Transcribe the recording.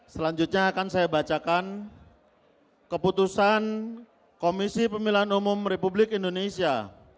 selanjutnya akan saya bacakan keputusan komisi pemilihan umum republik indonesia